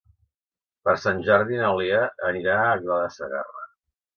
Per Sant Jordi na Lea anirà a Aguilar de Segarra.